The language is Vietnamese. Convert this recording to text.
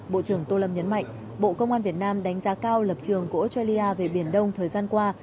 bộ trưởng tô lâm nhấn mạnh bộ công an việt nam đánh giá cao lập trường của australia về biển đông thời gian qua